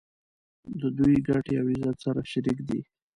د دوی ګټې او عزت سره شریک دي.